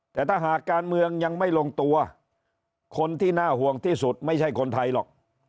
แต่ถ้าหากการเมืองยังไม่ลงตัวคนที่น่าห่วงที่สุดไม่ใช่คนไทยหรอก